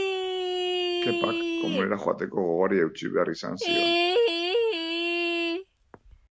Kepak komunera joateko gogoari eutsi behar izan zion.